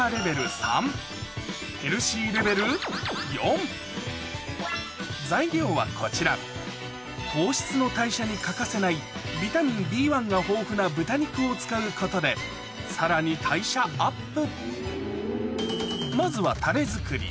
３ヘルシーレベル４材料はこちら糖質の代謝に欠かせないビタミンＢ１が豊富な豚肉を使うことでさらに代謝アップ